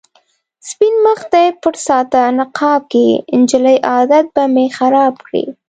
سپين مخ دې پټ ساته نقاب کې، جلۍ عادت به مې خراب کړې